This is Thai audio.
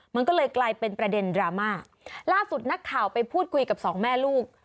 มันก็เลยกลายเป็นประเด็นดราม่าล่าสุดนักข่าวไปพูดคุยกับสองแม่ลูก